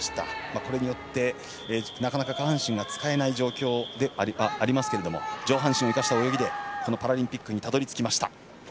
これによって、なかなか下半身が使えない状況でありますけれども上半身を生かした泳ぎでこのパラリンピックにたどり着きました。